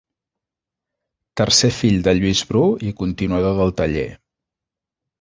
Tercer fill de Lluís Bru i continuador del taller.